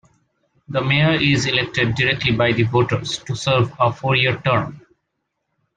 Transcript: The mayor is elected directly by the voters to serve a four-year term.